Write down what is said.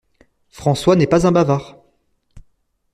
François n’est pas un bavard.